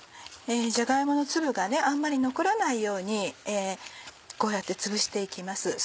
じゃが芋の粒があんまり残らないようにこうやってつぶして行きます。